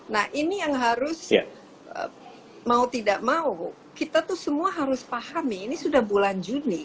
nah ini yang harus mau tidak mau kita tuh semua harus pahami ini sudah bulan juni